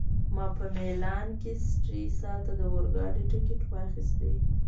ما په میلان کي سټریسا ته د اورګاډي ټکټ واخیست.